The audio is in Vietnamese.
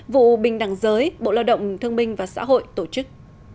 vụ bình đẳng giới bộ lao động thương minh và xã hội tổ chức